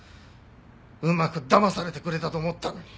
うまくだまされてくれたと思ったのに。